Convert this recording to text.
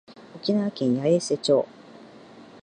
沖縄県八重瀬町